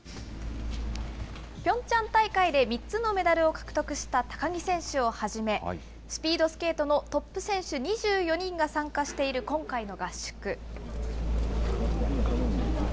ピョンチャン大会で３つのメダルを獲得した高木選手をはじめ、スピードスケートのトップ選手２４人が参加している今回の合宿。